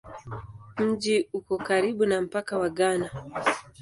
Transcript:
Mji uko karibu na mpaka wa Ghana.